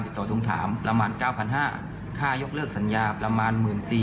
ติดต่อทุนถามประมาณ๙๕๐๐บาทค่ายกเลิกสัญญาประมาณ๑๔๐๐๐บาท